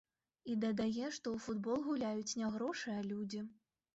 І дадае, што ў футбол гуляюць не грошы, а людзі.